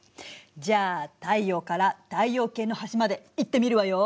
じゃあ太陽から太陽系の端まで行ってみるわよ！